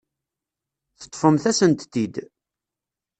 Teṭṭfemt-asent-t-id.